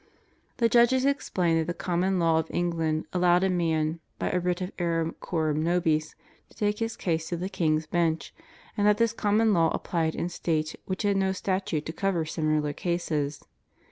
The judges explained that the Common Law of England allowed a man, by a writ of error coram nobis to take his case to the Bang's Bench, and that this Common Law applied in states which had no statute to cover similar cases.